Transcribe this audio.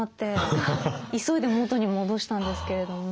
急いで元に戻したんですけれども。